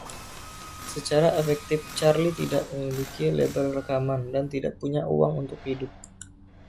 Secara efektif Charlie tidak memiliki label rekaman dan tidak punya uang untuk hidup.